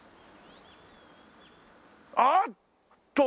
あっと！